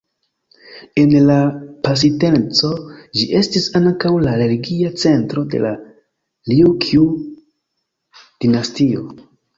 En la pasinteco ĝi estis ankaŭ la religia centro de la Rjukju-dinastio.